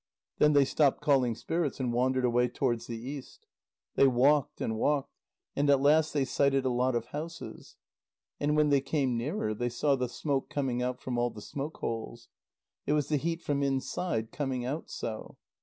Then they stopped calling spirits, and wandered away towards the east. They walked and walked, and at last they sighted a lot of houses. And when they came nearer, they saw the smoke coming out from all the smoke holes. It was the heat from inside coming out so.